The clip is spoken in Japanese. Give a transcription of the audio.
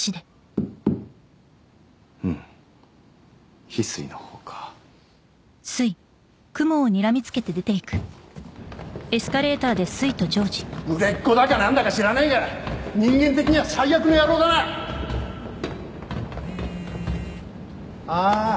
うんひすいのほうか売れっ子だかなんだか知らないが人間的には最悪な野郎だなああー